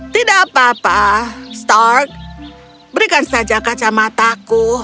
tidak apa apa stark berikan saja kacamata aku